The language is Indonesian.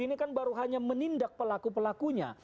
ini kan baru hanya menindak pelaku pelakunya